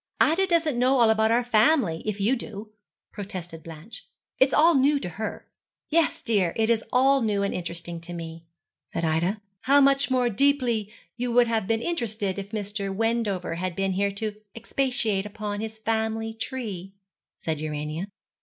'Ida doesn't know all about our family, if you do,' protested Blanche. 'It is all new to her.' 'Yes, dear, it is all new and interesting to me,' said Ida. 'How much more deeply you would have been interested if Mr. Wendover had been here to expatiate upon his family tree,' said Urania.